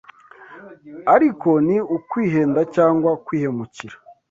Ariko ni ukwihenda cyangwa kwihemukira